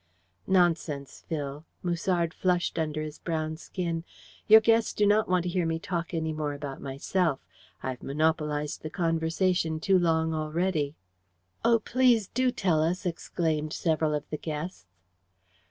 "Nonsense, Phil" Musard flushed under his brown skin "your guests do not want to hear me talk any more about myself. I've monopolized the conversation too long already." "Oh, please do tell us!" exclaimed several of the guests.